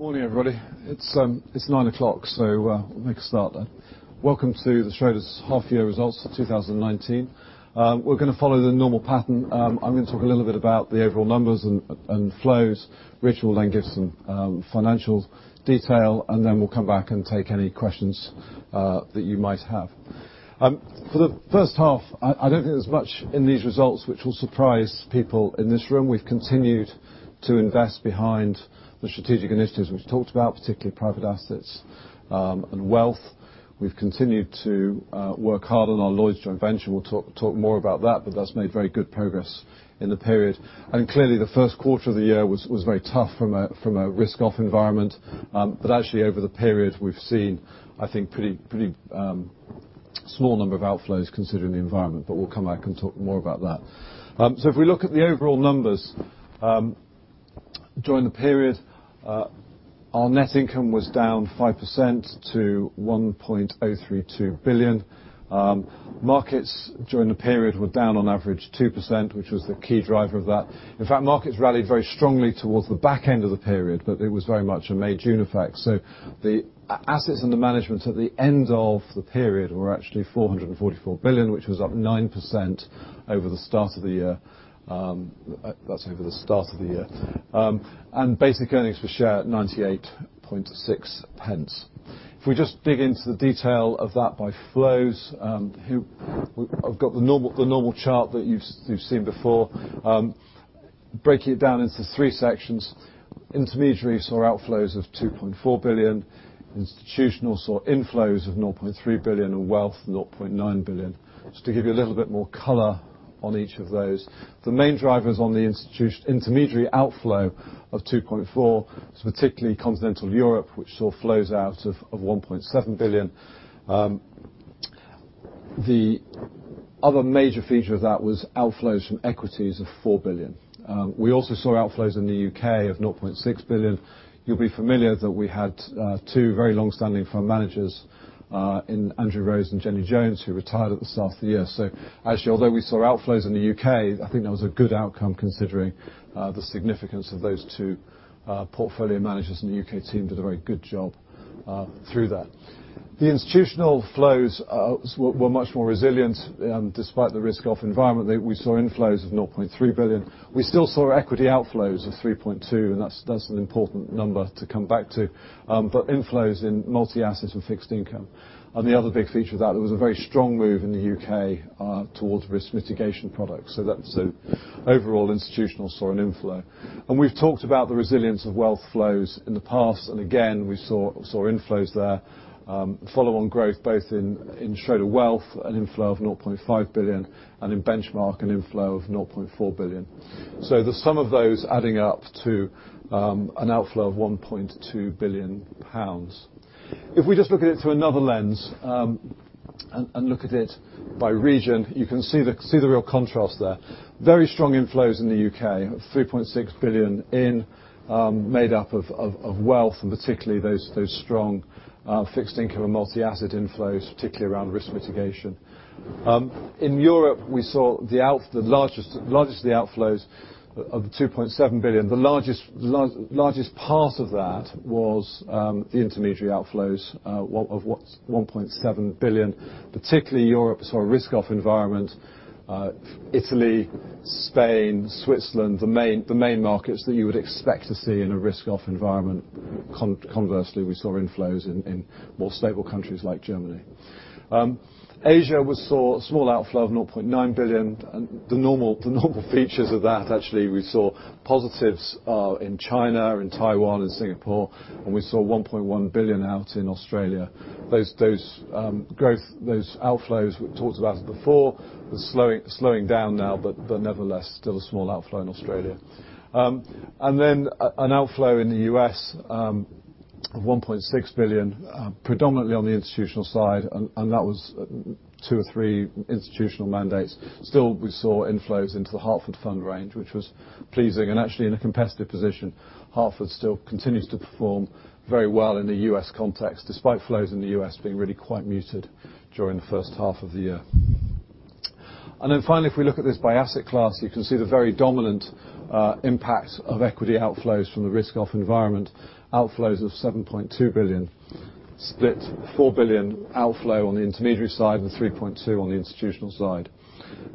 Morning, everybody. It's 9:00, we'll make a start then. Welcome to the Schroders half year results for 2019. We're going to follow the normal pattern. I'm going to talk a little bit about the overall numbers and flows. Richard will then give some financial detail, then we'll come back and take any questions that you might have. For the first half, I don't think there's much in these results which will surprise people in this room. We've continued to invest behind the strategic initiatives we've talked about, particularly private assets and wealth. We've continued to work hard on our Lloyds joint venture. We'll talk more about that's made very good progress in the period. Clearly, the first quarter of the year was very tough from a risk-off environment. Actually, over the period, we've seen, I think, pretty small number of outflows considering the environment. We'll come back and talk more about that. If we look at the overall numbers, during the period, our net income was down 5% to 1.032 billion. Markets during the period were down on average 2%, which was the key driver of that. In fact, markets rallied very strongly towards the back end of the period, but it was very much a May, June effect. The assets under management at the end of the period were actually 444 billion, which was up 9% over the start of the year. That's over the start of the year. Basic earnings per share, GBP 0.986. If we just dig into the detail of that by flows, I've got the normal chart that you've seen before. Breaking it down into three sections. Intermediaries saw outflows of 2.4 billion, institutional saw inflows of 0.3 billion, and wealth 0.9 billion. Just to give you a little bit more color on each of those. The main drivers on the intermediary outflow of 2.4, particularly Continental Europe, which saw flows out of 1.7 billion. The other major feature of that was outflows from equities of 4 billion. We also saw outflows in the U.K. of 0.6 billion. You'll be familiar that we had two very long-standing fund managers in Andrew Rose and Jenny Jones, who retired at the start of the year. Actually, although we saw outflows in the U.K., I think that was a good outcome considering the significance of those two portfolio managers, and the U.K. team did a very good job through that. The institutional flows were much more resilient, despite the risk-off environment. We saw inflows of 0.3 billion. We still saw equity outflows of 3.2, that's an important number to come back to, but inflows in multi-asset and fixed income. The other big feature of that, there was a very strong move in the U.K. towards risk mitigation products. Overall, institutional saw an inflow. We've talked about the resilience of wealth flows in the past, again, we saw inflows there. Follow-on growth both in Schroders Wealth, an inflow of 0.5 billion, and in Benchmark, an inflow of 0.4 billion. The sum of those adding up to an outflow of 1.2 billion pounds. If we just look at it through another lens, look at it by region, you can see the real contrast there. Very strong inflows in the U.K., 3.6 billion in, made up of wealth, particularly those strong fixed income and multi-asset inflows, particularly around risk mitigation. In Europe, we saw the largest of the outflows of 2.7 billion. The largest part of that was the intermediary outflows of 1.7 billion. Particularly Europe saw a risk-off environment. Italy, Spain, Switzerland, the main markets that you would expect to see in a risk-off environment. Conversely, we saw inflows in more stable countries like Germany. Asia, we saw a small outflow of 0.9 billion. The normal features of that, actually, we saw positives in China, in Taiwan, and Singapore, and we saw 1.1 billion out in Australia. Those outflows we talked about before, they're slowing down now, but nevertheless, still a small outflow in Australia. Then an outflow in the U.S. of 1.6 billion, predominantly on the institutional side, and that was two or three institutional mandates. Still, we saw inflows into the Hartford Funds range, which was pleasing and actually in a competitive position. Hartford still continues to perform very well in the U.S. context, despite flows in the U.S. being really quite muted during the first half of the year. Finally, if we look at this by asset class, you can see the very dominant impact of equity outflows from the risk-off environment. Outflows of 7.2 billion. Split 4 billion outflow on the intermediary side and 3.2 billion on the institutional side.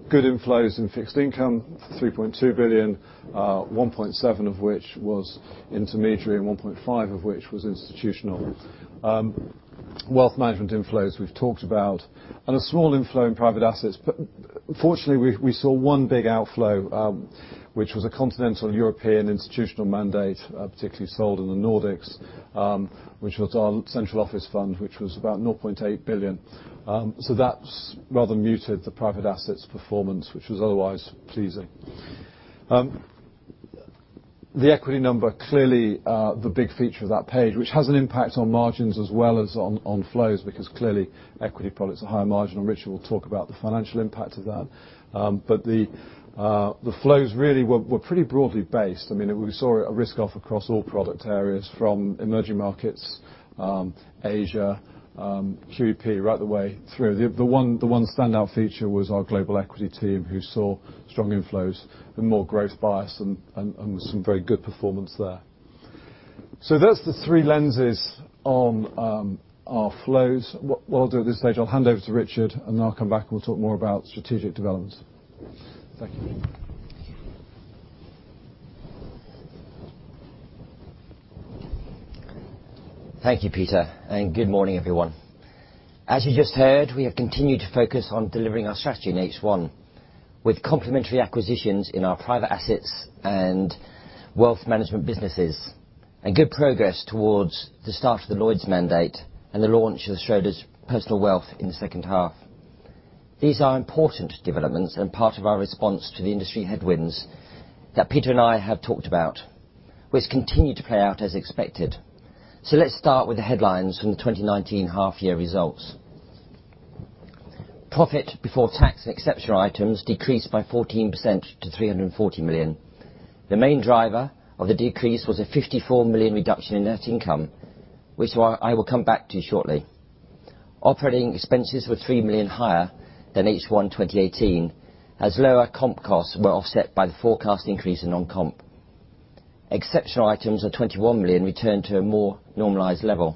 Good inflows in fixed income, 3.2 billion, 1.7 billion of which was intermediary and 1.5 billion of which was institutional. Wealth management inflows we've talked about. A small inflow in private assets, but fortunately, we saw one big outflow, which was a continental European institutional mandate, particularly sold in the Nordics, which was our central office fund, which was about 0.8 billion. That's rather muted the private assets performance, which was otherwise pleasing. The equity number, clearly the big feature of that page, which has an impact on margins as well as on flows, because clearly equity product is a higher margin, and Richard will talk about the financial impact of that. The flows really were pretty broadly based. We saw a risk-off across all product areas, from emerging markets-Asia, QEP, right the way through. The one standout feature was our global equity team, who saw strong inflows and more growth bias and some very good performance there. That's the three lenses on our flows. What I'll do at this stage, I'll hand over to Richard, and then I'll come back and we'll talk more about strategic developments. Thank you. Thank you, Peter, and good morning, everyone. As you just heard, we have continued to focus on delivering our strategy in H1 with complementary acquisitions in our private assets and wealth management businesses, and good progress towards the start of the Lloyds mandate and the launch of Schroders Personal Wealth in the second half. These are important developments and part of our response to the industry headwinds that Peter and I have talked about, which continue to play out as expected. Let's start with the headlines from the 2019 half year results. Profit before tax and exceptional items decreased by 14% to 340 million. The main driver of the decrease was a 54 million reduction in net income, which I will come back to shortly. Operating expenses were 3 million higher than H1 2018, as lower comp costs were offset by the forecast increase in non-comp. Exceptional items of 21 million returned to a more normalized level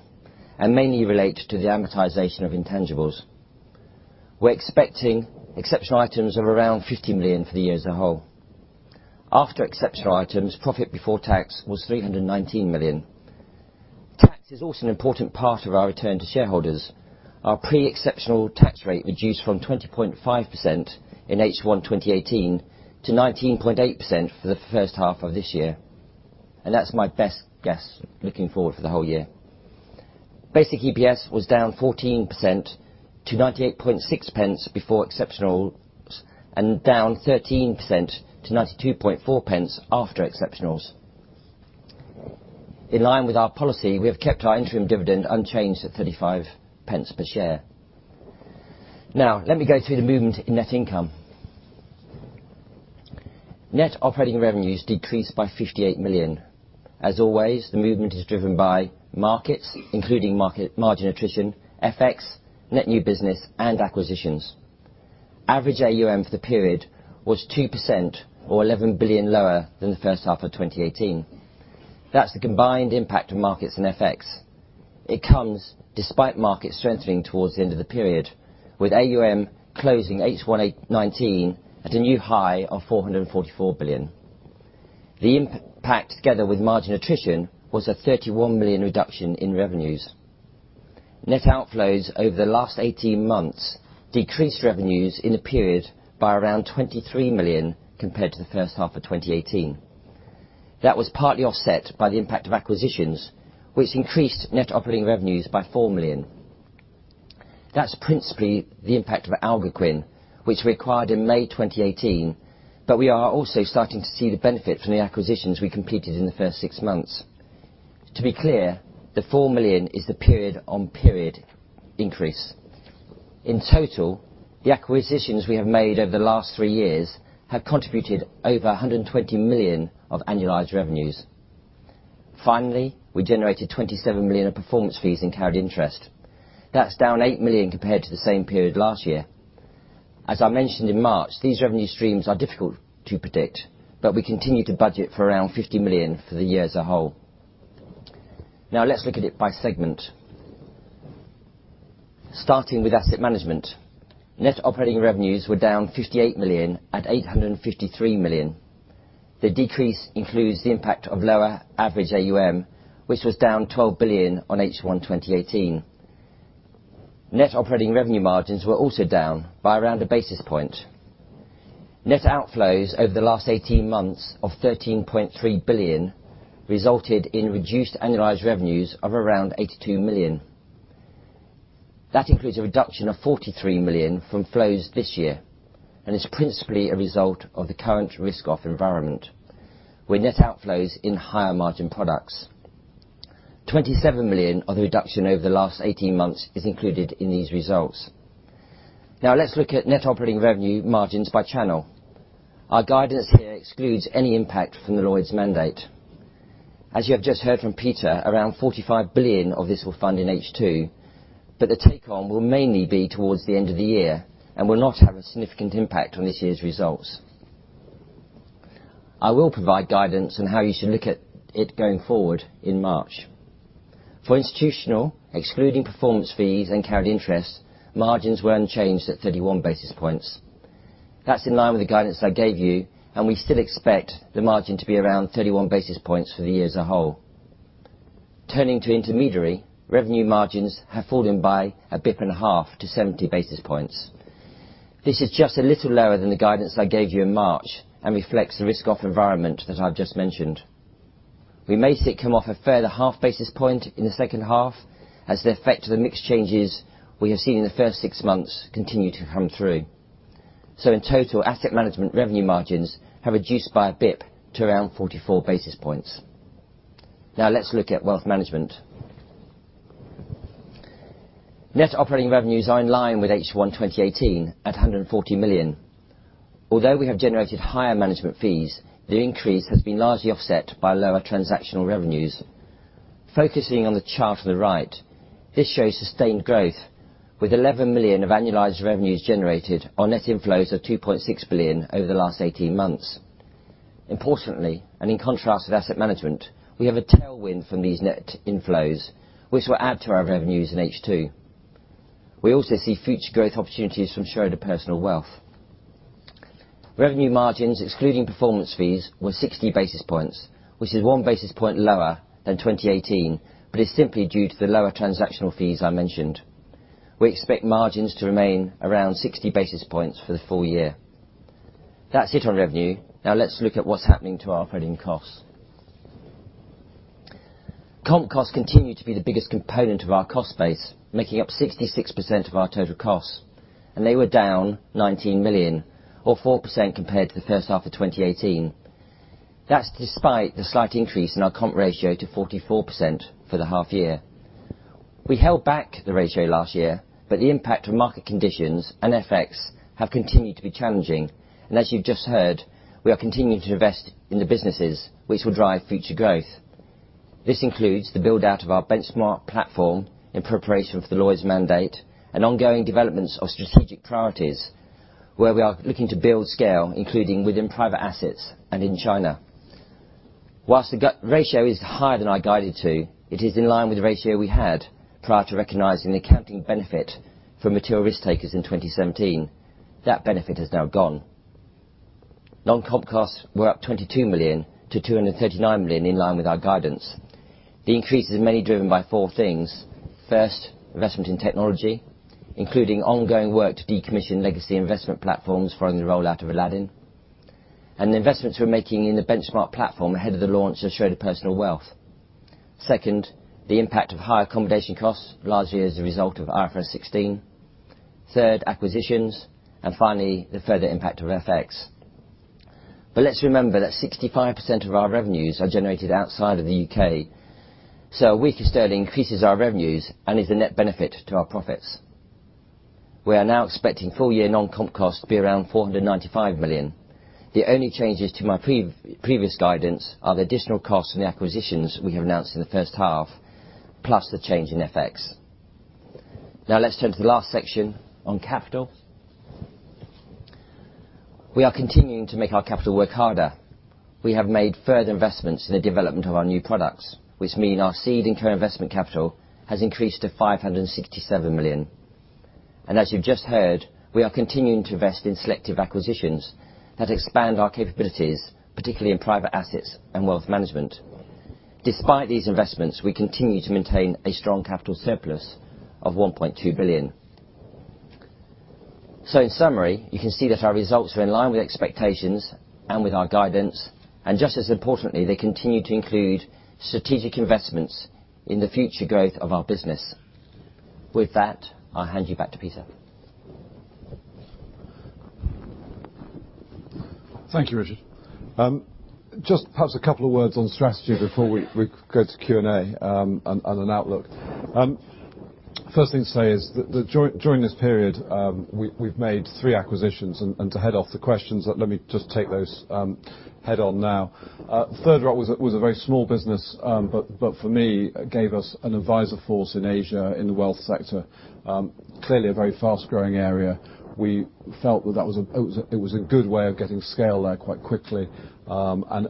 and mainly relate to the amortization of intangibles. We're expecting exceptional items of around 50 million for the year as a whole. After exceptional items, profit before tax was 319 million. Tax is also an important part of our return to shareholders. Our pre-exceptional tax rate reduced from 20.5% in H1 2018 to 19.8% for the first half of this year. That's my best guess looking forward for the whole year. Basic EPS was down 14% to 0.986 before exceptionals, and down 13% to 0.924 after exceptionals. In line with our policy, we have kept our interim dividend unchanged at 0.35 per share. Now, let me go through the movement in net income. Net operating revenues decreased by 58 million. As always, the movement is driven by markets, including market margin attrition, FX, net new business, and acquisitions. Average AUM for the period was 2% or 11 billion lower than the first half of 2018. That's the combined impact of markets and FX. It comes despite markets strengthening towards the end of the period, with AUM closing H1 '19 at a new high of 444 billion. The impact together with margin attrition was a 31 million reduction in revenues. Net outflows over the last 18 months decreased revenues in the period by around 23 million compared to the first half of 2018. That was partly offset by the impact of acquisitions, which increased net operating revenues by 4 million. That's principally the impact of Algonquin, which we acquired in May 2018, but we are also starting to see the benefit from the acquisitions we completed in the first six months. To be clear, the 4 million is the period-on-period increase. In total, the acquisitions we have made over the last three years have contributed over 120 million of annualized revenues. Finally, we generated 27 million in performance fees and carried interest. That's down 8 million compared to the same period last year. As I mentioned in March, these revenue streams are difficult to predict, but we continue to budget for around 50 million for the year as a whole. Let's look at it by segment. Starting with asset management, net operating revenues were down 58 million at 853 million. The decrease includes the impact of lower average AUM, which was down 12 billion on H1 2018. Net operating revenue margins were also down by around one basis point. Net outflows over the last 18 months of 13.3 billion resulted in reduced annualized revenues of around 82 million. That includes a reduction of 43 million from flows this year and is principally a result of the current risk-off environment, with net outflows in higher margin products. 27 million of the reduction over the last 18 months is included in these results. Let's look at net operating revenue margins by channel. Our guidance here excludes any impact from the Lloyds mandate. As you have just heard from Peter, around 45 billion of this will fund in H2. The take-on will mainly be towards the end of the year and will not have a significant impact on this year's results. I will provide guidance on how you should look at it going forward in March. For institutional, excluding performance fees and carried interest, margins were unchanged at 31 basis points. That's in line with the guidance I gave you, and we still expect the margin to be around 31 basis points for the year as a whole. Turning to intermediary, revenue margins have fallen by a bip and a half to 70 basis points. This is just a little lower than the guidance I gave you in March and reflects the risk off environment that I've just mentioned. We may see it come off a further half basis point in the second half as the effect of the mix changes we have seen in the first six months continue to come through. In total, asset management revenue margins have reduced by a bip to around 44 basis points. Now let's look at wealth management. Net operating revenues are in line with H1 2018 at 140 million. Although we have generated higher management fees, the increase has been largely offset by lower transactional revenues. Focusing on the chart on the right, this shows sustained growth with 11 million of annualized revenues generated on net inflows of 2.6 billion over the last 18 months. Importantly, in contrast with asset management, we have a tailwind from these net inflows, which will add to our revenues in H2. We also see future growth opportunities from Schroders Personal Wealth. Revenue margins excluding performance fees were 60 basis points, which is one basis point lower than 2018. It's simply due to the lower transactional fees I mentioned. We expect margins to remain around 60 basis points for the full year. That's it on revenue. Now let's look at what's happening to our operating costs. Comp costs continue to be the biggest component of our cost base, making up 66% of our total costs, and they were down 19 million or 4% compared to the first half of 2018. That's despite the slight increase in our comp ratio to 44% for the half year. We held back the ratio last year, but the impact of market conditions and FX have continued to be challenging. As you've just heard, we are continuing to invest in the businesses, which will drive future growth. This includes the build-out of our Benchmark platform in preparation for the Lloyds' mandate and ongoing developments of strategic priorities where we are looking to build scale, including within private assets and in China. Whilst the ratio is higher than I guided to, it is in line with the ratio we had prior to recognizing the accounting benefit for material risk takers in 2017. That benefit has now gone. Non-comp costs were up 22 million to 239 million, in line with our guidance. The increase is mainly driven by four things. First, investment in technology, including ongoing work to decommission legacy investment platforms following the rollout of Aladdin, and the investments we're making in the Benchmark platform ahead of the launch of Schroders Personal Wealth. Second, the impact of higher accommodation costs, largely as a result of IFRS 16. Third, acquisitions, and finally, the further impact of FX. Let's remember that 65% of our revenues are generated outside of the U.K., so a weaker sterling increases our revenues and is a net benefit to our profits. We are now expecting full year non-comp costs to be around 495 million. The only changes to my previous guidance are the additional costs and the acquisitions we have announced in the first half, plus the change in FX. Let's turn to the last section on capital. We are continuing to make our capital work harder. We have made further investments in the development of our new products, which mean our seed and co-investment capital has increased to 567 million. As you've just heard, we are continuing to invest in selective acquisitions that expand our capabilities, particularly in private assets and wealth management. Despite these investments, we continue to maintain a strong capital surplus of 1.2 billion. In summary, you can see that our results are in line with expectations and with our guidance, and just as importantly, they continue to include strategic investments in the future growth of our business. With that, I'll hand you back to Peter. Thank you, Richard. Just perhaps a couple of words on strategy before we go to Q&A, and an outlook. First thing to say is that during this period, we've made three acquisitions. To head off the questions, let me just take those head on now. Thirdrock was a very small business but for me, gave us an advisor force in Asia in the wealth sector. Clearly a very fast-growing area. We felt that it was a good way of getting scale there quite quickly, and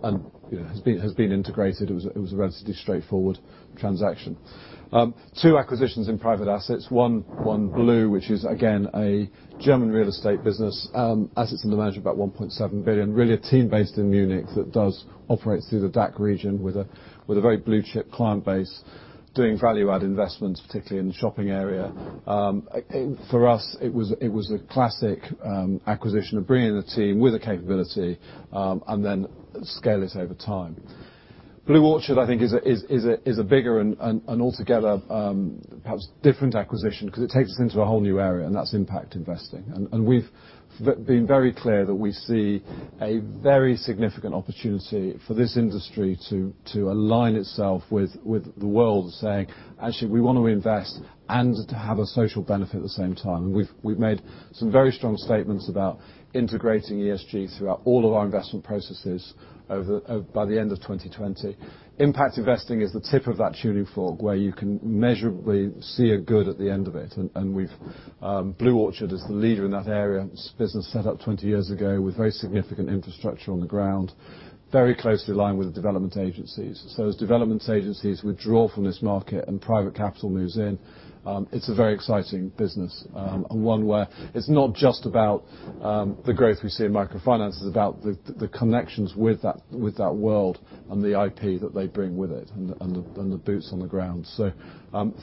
it has been integrated. It was a relatively straightforward transaction. Two acquisitions in private assets. One Blue, which is again a German real estate business. Assets under management about 1.7 billion. Really a team based in Munich that operates through the DACH region with a very blue chip client base doing value add investments, particularly in the shopping area. For us, it was a classic acquisition of bringing the team with a capability, then scale it over time. BlueOrchard, I think, is a bigger and altogether perhaps different acquisition because it takes us into a whole new area, that's impact investing. We've been very clear that we see a very significant opportunity for this industry to align itself with the world saying, "Actually, we want to invest and to have a social benefit at the same time." We've made some very strong statements about integrating ESG throughout all of our investment processes by the end of 2020. Impact investing is the tip of that tuning fork where you can measurably see a good at the end of it, BlueOrchard is the leader in that area. It's a business set up 20 years ago with very significant infrastructure on the ground, very closely aligned with the development agencies. As development agencies withdraw from this market and private capital moves in, it's a very exciting business. One where it's not just about the growth we see in microfinance, it's about the connections with that world and the IP that they bring with it and the boots on the ground.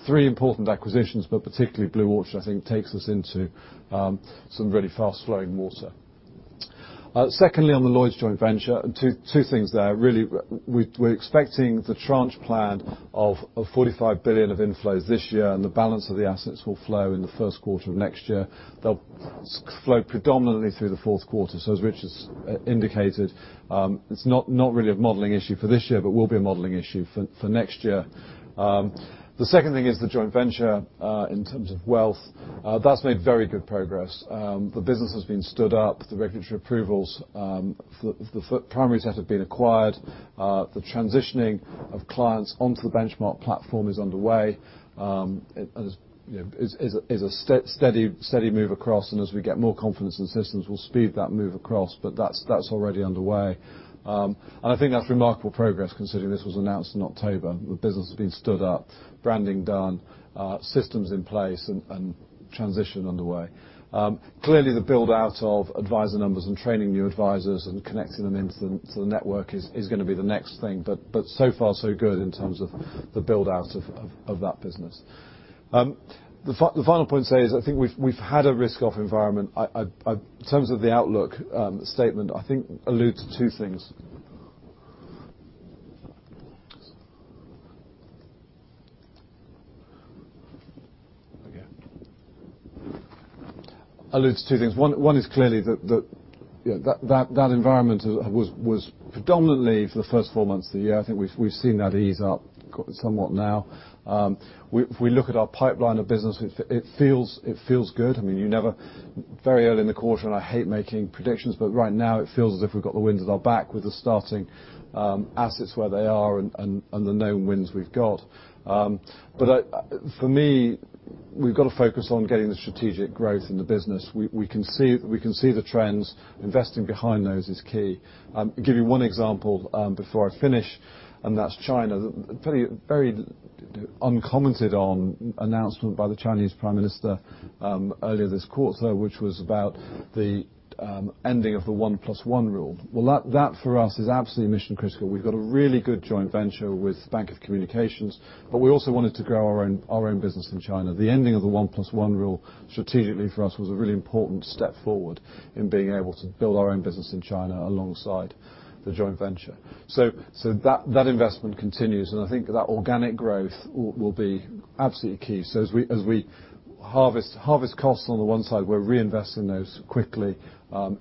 Three important acquisitions, particularly BlueOrchard, I think takes us into some really fast flowing water. Secondly, on the Lloyds joint venture, two things there really. We're expecting the tranche plan of 45 billion of inflows this year, the balance of the assets will flow in the first quarter of next year. They'll flow predominantly through the fourth quarter. As Richard's indicated, it's not really a modeling issue for this year, but will be a modeling issue for next year. The second thing is the joint venture, in terms of wealth. That's made very good progress. The business has been stood up, the regulatory approvals for the first primaries have been acquired. The transitioning of clients onto the Benchmark Capital platform is underway, is a steady move across and as we get more confidence in the systems, we'll speed that move across. That's already underway. I think that's remarkable progress considering this was announced in October. The business has been stood up, branding done, systems in place, and transition underway. Clearly, the build-out of advisor numbers and training new advisors and connecting them into the network is going to be the next thing. So far, so good in terms of the build-out of that business. The final point is, I think we've had a risk-off environment. In terms of the outlook statement, I think alludes to two things. One is clearly that environment was predominantly for the first four months of the year. I think we've seen that ease up somewhat now. If we look at our pipeline of business, it feels good. Very early in the quarter, and I hate making predictions, but right now it feels as if we've got the wind at our back with the starting assets where they are and the known winds we've got. For me, we've got to focus on getting the strategic growth in the business. We can see the trends. Investing behind those is key. I'll give you one example before I finish, and that's China. Very uncommented on announcement by the Chinese Prime Minister earlier this quarter, which was about the ending of the one plus one rule. Well, that for us is absolutely mission-critical. We've got a really good joint venture with Bank of Communications, but we also wanted to grow our own business in China. The ending of the one plus one rule strategically for us was a really important step forward in being able to build our own business in China alongside the joint venture. That investment continues, and I think that organic growth will be absolutely key. As we harvest costs on the one side, we're reinvesting those quickly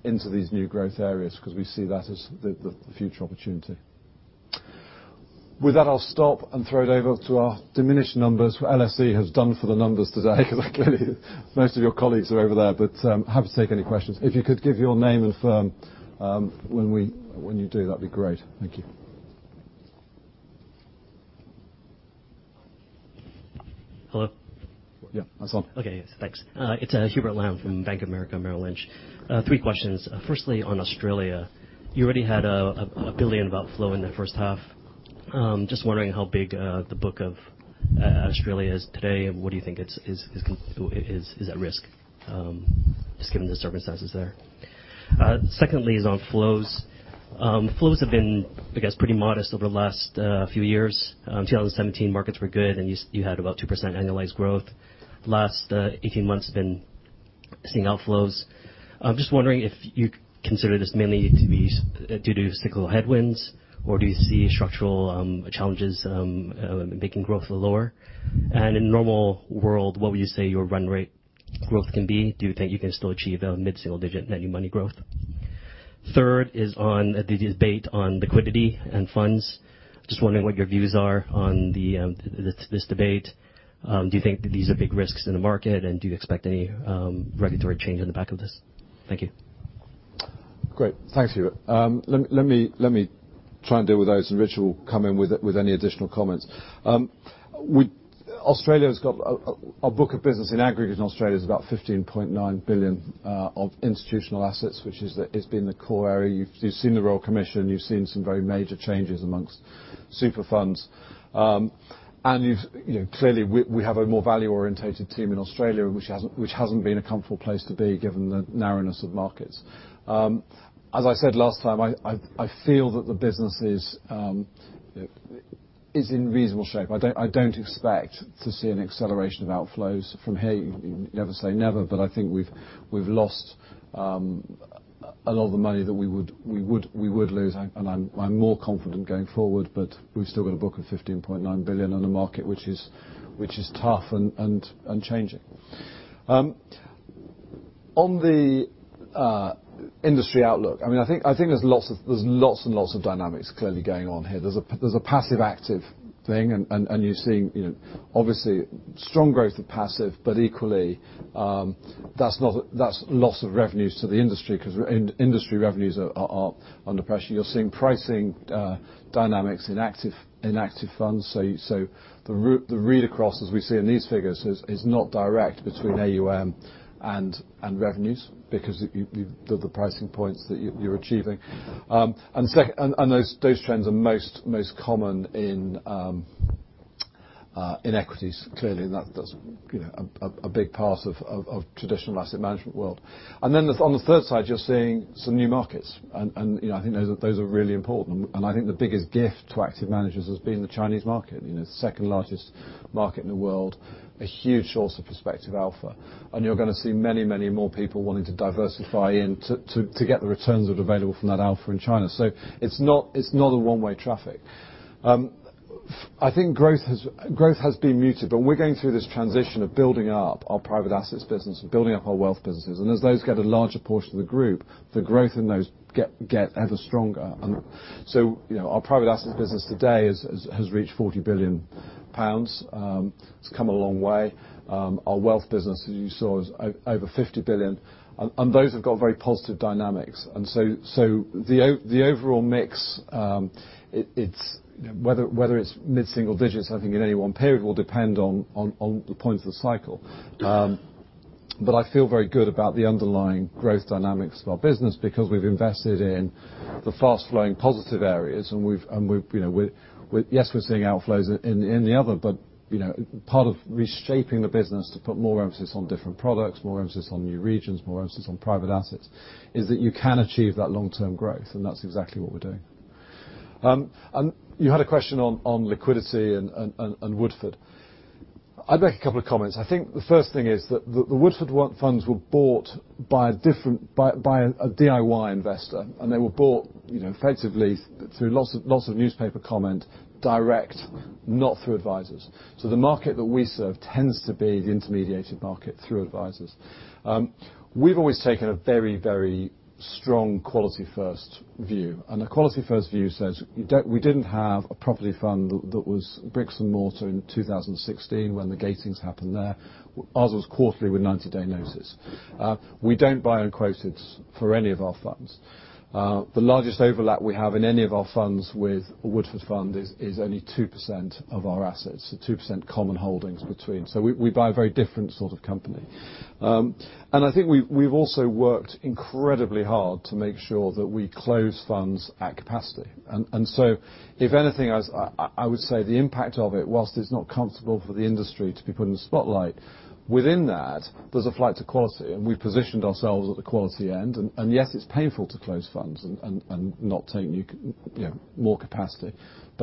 into these new growth areas because we see that as the future opportunity. With that, I'll stop and throw it over to our diminished numbers. LSE has done for the numbers today because clearly most of your colleagues are over there. Happy to take any questions. If you could give your name and firm when you do, that'd be great. Thank you. Hello? Yeah. Ason. Okay. Thanks. It's Hubert Lam from Bank of America Merrill Lynch. Three questions. Firstly, on Australia, you already had 1 billion of outflow in the first half. Just wondering how big the book of Australia is today, and what do you think is at risk, just given the circumstances there. Secondly is on flows. Flows have been, I guess, pretty modest over the last few years. 2017, markets were good, and you had about 2% annualized growth. Last 18 months have been seeing outflows. I'm just wondering if you consider this mainly to be due to cyclical headwinds, or do you see structural challenges making growth lower? In normal world, what would you say your run rate growth can be? Do you think you can still achieve a mid-single digit net new money growth? Third is on the debate on liquidity and funds. Just wondering what your views are on this debate. Do you think that these are big risks in the market, and do you expect any regulatory change on the back of this? Thank you. Great. Thanks, Hubert. Let me try and deal with those. Richard will come in with any additional comments. Our book of business in aggregate in Australia is about 15.9 billion of institutional assets, which has been the core area. You've seen the Royal Commission, you've seen some very major changes amongst super funds. Clearly, we have a more value-orientated team in Australia, which hasn't been a comfortable place to be given the narrowness of markets. As I said last time, I feel that the business is in reasonable shape. I don't expect to see an acceleration of outflows from here. Never say never. I think we've lost a lot of the money that we would lose, and I'm more confident going forward. We've still got a book of 15.9 billion on a market which is tough and changing. On the industry outlook, I think there's lots and lots of dynamics clearly going on here. There's a passive-active thing, and you're seeing obviously strong growth of passive, but equally, that's loss of revenues to the industry because industry revenues are under pressure. You're seeing pricing dynamics in active funds. The read across, as we see in these figures, is not direct between AUM and revenues because of the pricing points that you're achieving. Those trends are most common in equities, clearly, and that does a big part of traditional asset management world. On the third side, you're seeing some new markets, and I think those are really important. I think the biggest gift to active managers has been the Chinese market, the second-largest market in the world, a huge source of prospective alpha. You're going to see many, many more people wanting to diversify in to get the returns that are available from that alpha in China. It's not a one-way traffic. I think growth has been muted, but we're going through this transition of building up our private assets business and building up our wealth businesses. As those get a larger portion of the group, the growth in those get ever stronger. Our private assets business today has reached 40 billion pounds. It's come a long way. Our wealth business, as you saw, is over 50 billion. Those have got very positive dynamics. The overall mix, whether it's mid-single digits, I think in any one period will depend on the points of the cycle. I feel very good about the underlying growth dynamics of our business because we've invested in the fast-flowing positive areas and yes, we're seeing outflows in the other, but part of reshaping the business to put more emphasis on different products, more emphasis on new regions, more emphasis on private assets, is that you can achieve that long-term growth, and that's exactly what we're doing. You had a question on liquidity and Woodford. I'd make a couple of comments. I think the first thing is that the Woodford funds were bought by a DIY investor, and they were bought effectively through lots of newspaper comment direct, not through advisers. The market that we serve tends to be the intermediated market through advisers. We've always taken a very strong quality first view, and the quality first view says, we didn't have a property fund that was bricks and mortar in 2016 when the gatings happened there. Ours was quarterly with 90-day notice. We don't buy unquoteds for any of our funds. The largest overlap we have in any of our funds with a Woodford fund is only 2% of our assets. 2% common holdings between. We buy a very different sort of company. I think we've also worked incredibly hard to make sure that we close funds at capacity. If anything, I would say the impact of it, while it's not comfortable for the industry to be put in the spotlight, within that, there's a flight to quality, and we've positioned ourselves at the quality end. Yes, it's painful to close funds and not take more capacity.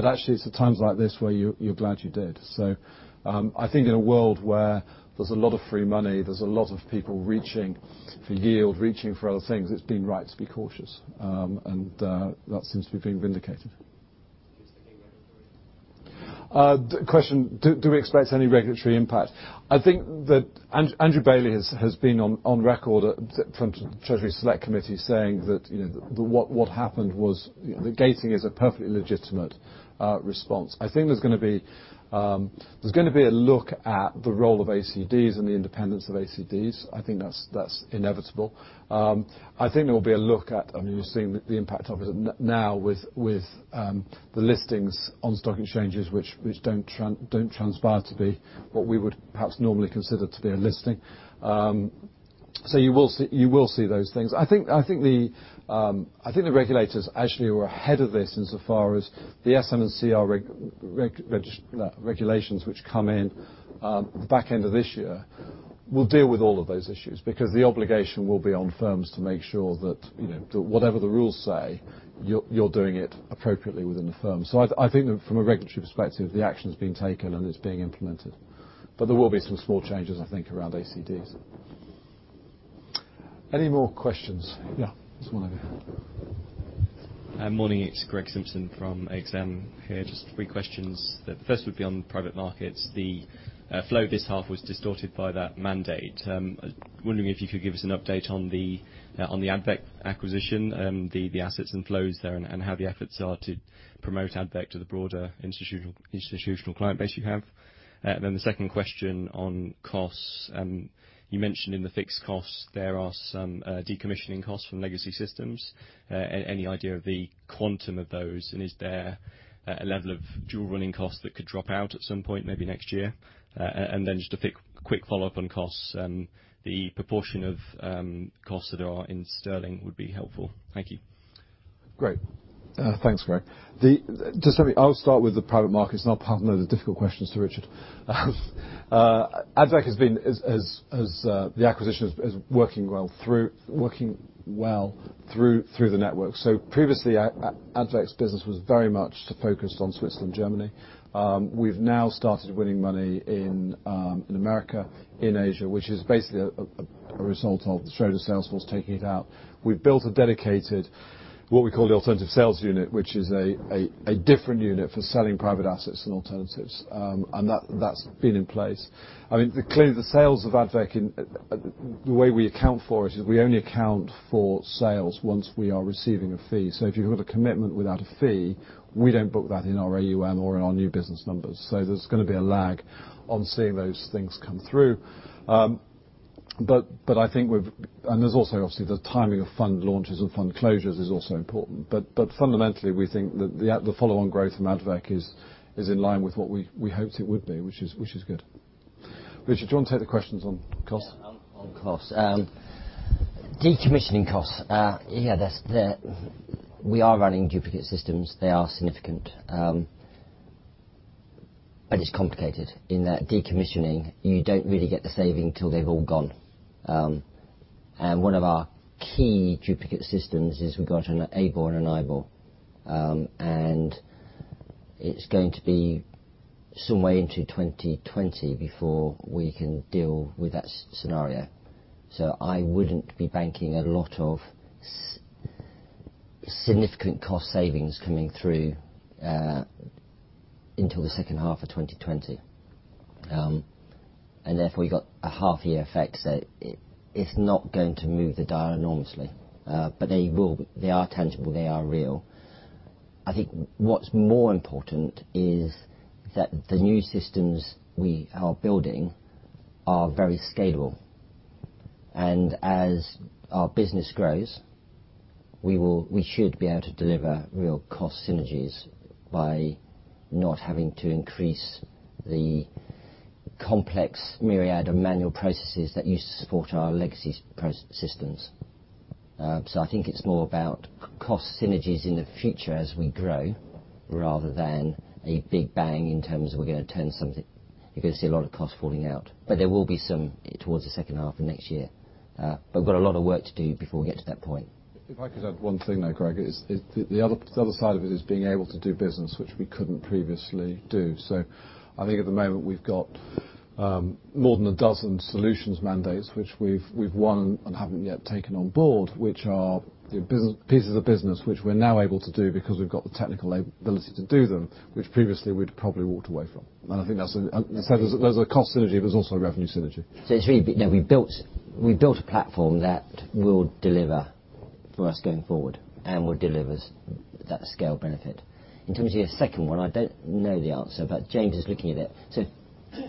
Actually, it's at times like this where you're glad you did. I think in a world where there's a lot of free money, there's a lot of people reaching for yield, reaching for other things, it's been right to be cautious. That seems to be being vindicated. Do you expect any regulatory impact? Question, do we expect any regulatory impact? I think that Andrew Bailey has been on record from Treasury Committee saying that what happened was, the gating is a perfectly legitimate response. I think there's going to be a look at the role of ACDs and the independence of ACDs. I think that's inevitable. I think there will be a look at, you've seen the impact of it now with the listings on stock exchanges, which don't transpire to be what we would perhaps normally consider to be a listing. You will see those things. I think the regulators actually were ahead of this in so far as the SMCR regulations which come in the back end of this year, will deal with all of those issues because the obligation will be on firms to make sure that whatever the rules say, you're doing it appropriately within the firm. I think that from a regulatory perspective, the action's being taken and it's being implemented. There will be some small changes, I think, around ACDs. Any more questions? Yeah. There's one over here. Morning. It's Greg Simpson from Exane here. Just three questions. The first would be on private markets. The flow this half was distorted by that mandate. I'm wondering if you could give us an update on the Adveq acquisition, the assets and flows there, and how the efforts are to promote Adveq to the broader institutional client base you have. The second question on costs. You mentioned in the fixed costs there are some decommissioning costs from legacy systems. Any idea of the quantum of those, and is there a level of dual running costs that could drop out at some point, maybe next year? Just a quick follow-up on costs. The proportion of costs that are in sterling would be helpful. Thank you. Great. Thanks, Greg. I'll start with the private markets and I'll pass the difficult questions to Richard. Adveq, the acquisition is working well through the network. Previously, Adveq's business was very much to focus on Switzerland, Germany. We've now started winning money in America, in Asia, which is basically a result of the Schroders' sales force taking it out. We've built a dedicated, what we call the alternative sales unit, which is a different unit for selling private assets and alternatives. That's been in place. Clearly, the sales of Adveq, the way we account for it is we only account for sales once we are receiving a fee. If you've got a commitment without a fee, we don't book that in our AUM or in our new business numbers. There's going to be a lag on seeing those things come through. There's also obviously the timing of fund launches and fund closures is also important. Fundamentally, we think that the follow-on growth from Adveq is in line with what we hoped it would be, which is good. Richard, do you want to take the questions on costs? On costs. Decommissioning costs. We are running duplicate systems. They are significant. It's complicated in that decommissioning, you don't really get the saving till they've all gone. One of our key duplicate systems is we've got an ABOR and an IBOR. It's going to be some way into 2020 before we can deal with that scenario. I wouldn't be banking a lot of significant cost savings coming through, until the second half of 2020. Therefore, you got a half-year effect, so it's not going to move the dial enormously. They are tangible, they are real. I think what's more important is that the new systems we are building are very scalable. As our business grows, we should be able to deliver real cost synergies by not having to increase the complex myriad of manual processes that used to support our legacy systems. I think it's more about cost synergies in the future as we grow, rather than a big bang in terms of we're going to turn something, you're going to see a lot of costs falling out. There will be some towards the second half of next year. We've got a lot of work to do before we get to that point. If I could add one thing there, Greg, is the other side of it is being able to do business, which we couldn't previously do. I think at the moment we've got more than a dozen solutions mandates, which we've won and haven't yet taken on board, which are pieces of business which we're now able to do because we've got the technical ability to do them, which previously we'd probably walked away from. I think there's a cost synergy, there's also a revenue synergy. It's really, we built a platform that will deliver for us going forward and will deliver that scale benefit. In terms of your second one, I don't know the answer, but James is looking at it.